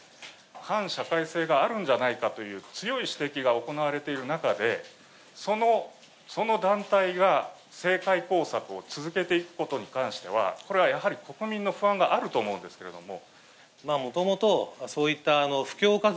反社会性があるんじゃないかという強い指摘が行われている中でその団体が政界工作を続けていくことに関してはこれはやはり国民の不安があると思うんですけれども。